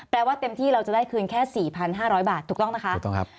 แปลว่าเต็มที่เราจะได้คืนแค่๔๕๐๐บาทถูกต้องนะคะ